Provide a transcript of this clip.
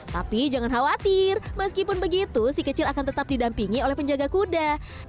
tapi jangan khawatir meskipun begitu si kecil akan tetap didampingi oleh penjaga kuda